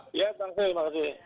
ya terima kasih